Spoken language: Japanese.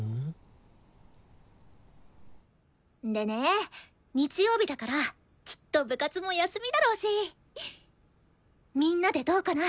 でね日曜日だからきっと部活も休みだろうしみんなでどうかな？